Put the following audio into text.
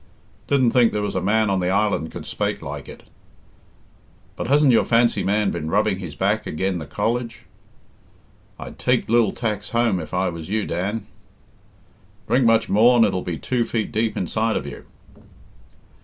"Didn't think there was a man on the island could spake like it." "But hasn't your fancy man been rubbing his back agen the college?" "I'd take lil tacks home if I was yourself, Dan." "Drink much more and it'll be two feet deep inside of you."